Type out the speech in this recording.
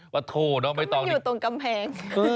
ว่าโทษเนอะไม่ต้องก็ไม่อยู่ตรงกำแพง